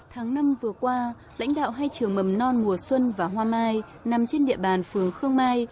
tháng năm vừa qua lãnh đạo hai trường mầm non mùa xuân và hoa mai nằm trên địa bàn phường khương mai